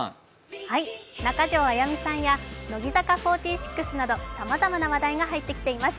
中条あやみさんや乃木坂４６などさまざまな話題が入ってきています。